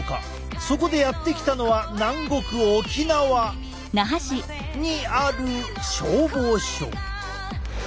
そこでやって来たのは南国沖縄！にある消防署。